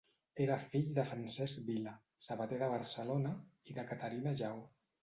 Era fill de Francesc Vila, sabater de Barcelona, i de Caterina Lleó.